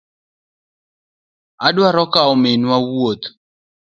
Adwa kowo minwa wuoth